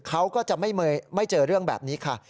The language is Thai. เขาก็จะไม่เจอเรื่องแบบนี้ค่ะ